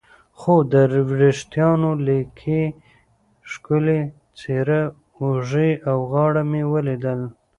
خو د وریښتانو لیکې، ښکلې څېره، اوږې او غاړه مې ولیدل.